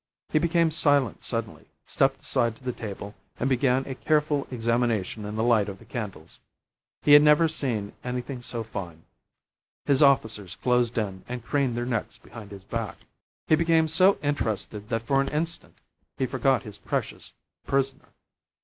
He became silent suddenly, stepped aside to the table, and began a careful examination in the light of the candles. He had never seen anything so fine. His officers closed in and craned their necks behind his back. He became so interested that for an instant he forgot his precious prisoner.